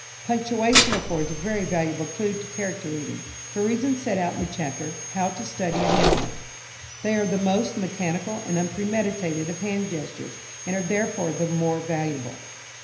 Punctuation affords a very valuable clue to character reading, for reasons set out in the chapter "How to Study a Handwriting." They are the most mechanical and unpremeditated of hand gestures, and are, therefore, the more valuable.